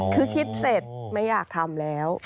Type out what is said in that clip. คือคิดเสร็จไม่อยากทำแล้ว